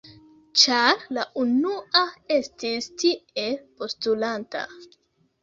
Ĉar la unua estis tiel postulanta.